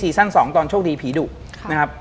ที่ซีซั่น๒ตอนโชคดีผีดุนะครับ